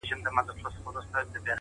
هغه به چيري اوسي باران اوري ژلۍ اوري